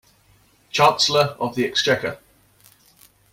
Chancellor of the Exchequer